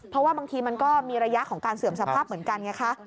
เพราะว่าบางทีมันก็มีระยะของการเสื่อมสภาพเหมือนกันไงคะ